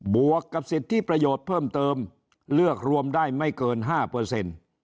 บวกกับสิทธิประโยชน์เพิ่มเติมเลือกรวมได้ไม่เกิน๕